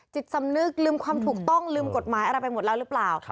จิตสำนึกลืมความถูกต้องลืมกฎหมายอะไรไปหมดแล้วหรือเปล่า